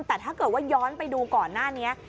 แต่ถ้าเกิดว่าย้อนไปดูก่อนหน้านี้